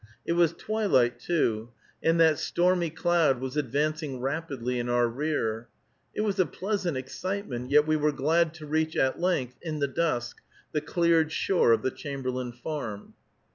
It was twilight, too, and that stormy cloud was advancing rapidly in our rear. It was a pleasant excitement, yet we were glad to reach, at length, in the dusk, the cleared shore of the Chamberlain Farm.